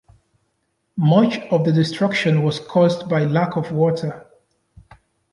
Much of the destruction was caused by lack of water.